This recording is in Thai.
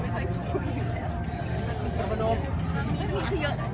แม่กับผู้วิทยาลัย